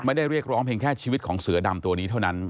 เรียกร้องเพียงแค่ชีวิตของเสือดำตัวนี้เท่านั้น